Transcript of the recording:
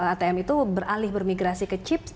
atm itu beralih bermigrasi ke chips